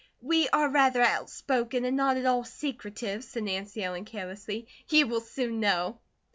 "We are rather outspoken, and not at all secretive," said Nancy Ellen, carelessly, "you will soon know."